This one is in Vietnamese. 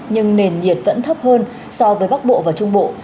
nhưng nền nhiệt vẫn thấp hơn so với bắc bộ và trung bộ